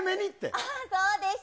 ああ、そうでした。